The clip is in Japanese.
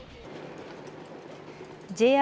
ＪＲ